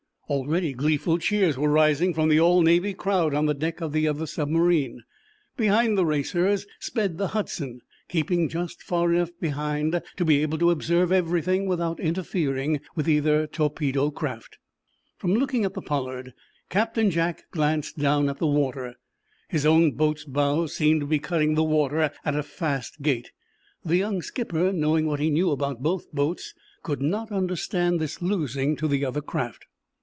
Already gleeful cheers were rising from the all Navy crowd on the deck of the other submarine. Behind the racers sped the "Hudson," keeping just far enough behind to be able to observe everything without interfering with either torpedo craft. From looking at the "Pollard" Captain Jack glanced down at the water. His own boat's bows seemed to be cutting the water at a fast gait. The young skipper, knowing what he knew about both boats, could not understand this losing to the other craft.